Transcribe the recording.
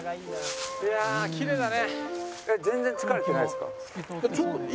いやあきれいだね。